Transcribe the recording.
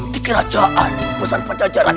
di kerajaan di pusat penjajaran